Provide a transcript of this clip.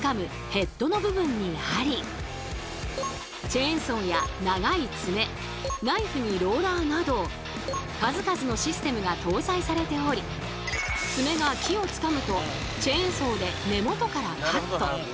チェーンソーや長い爪ナイフにローラーなど数々のシステムが搭載されており爪が木をつかむとチェーンソーで根元からカット。